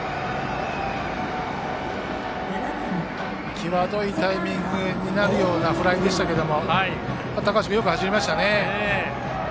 際どいタイミングになるようなフライでしたけれど高橋君、よく走りましたね。